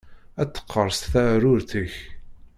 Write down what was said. Ad teqqerṣ teɛrurt-ik.